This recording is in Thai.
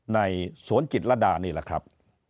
ในสวนจิตรดานี่แหละครับ